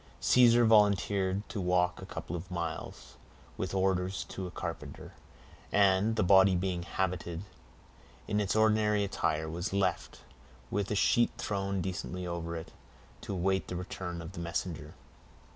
Caesar volunteered to walk a couple of miles with orders to a carpenter; and, the body being habited in its ordinary attire, was left, with a sheet thrown decently over it, to await the return of the messenger.